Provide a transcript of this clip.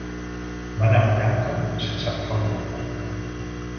Va anar a Vallanca sense agafar el metro.